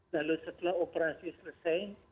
lalu setelah operasi selesai